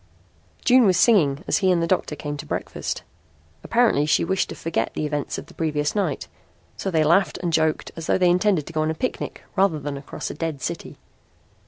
June was singing as he and the doctor came to breakfast. Apparently she wished to forget the events of the previous night, so they laughed and joked as though they intended to go on a picnic rather than across a dead city.